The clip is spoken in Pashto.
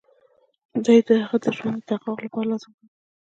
دی هغه د ښه ژوند د تحقق لپاره لازم ګڼي.